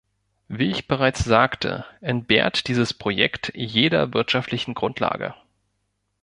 Wie ich bereits sagte, entbehrt dieses Projekt jeder wirtschaftlichen Grundlage.